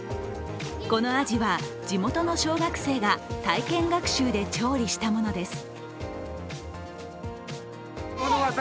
このアジは地元の小学生が体験学習で調理したものです。